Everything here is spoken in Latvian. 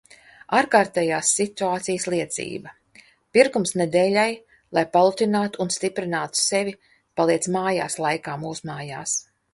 Ārkārtējās situācijas liecība. Pirkums nedēļai, lai palutinātu un stiprinātu sevi paliec mājās laikā mūsmājās.